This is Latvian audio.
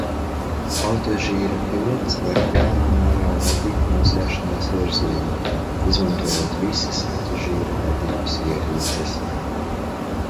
Autožīra pilots var pilnā mērā vadīt nosēšanās virzienu, izmantojot visas autožīra vadības ierīces.